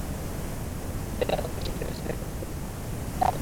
এতে আতঙ্কে শিক্ষার্থীরা শ্রেণিকক্ষ থেকে তাড়াহুড়া করে নামতে গিয়ে আহত হয়।